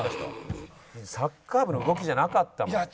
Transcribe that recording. サッカー部の動きじゃなかったもん。